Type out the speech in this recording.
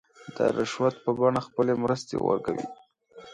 د رشوت په بڼه خپلې مرستې ورکوي.